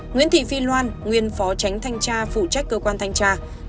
nguyễn thị phi loan nguyên phó tránh thanh cha phụ trách cơ quan thanh cha